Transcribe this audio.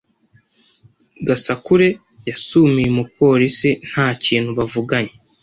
Gasakure yasumiye umupolisi nta kintu bavuganye